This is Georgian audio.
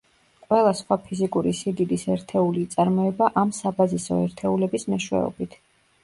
ყველა სხვა ფიზიკური სიდიდის ერთეული იწარმოება ამ საბაზისო ერთეულების მეშვეობით.